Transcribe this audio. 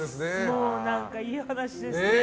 もう、何かいい話ですね。